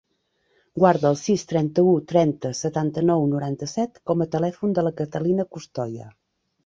Guarda el sis, trenta-u, trenta, setanta-nou, noranta-set com a telèfon de la Catalina Costoya.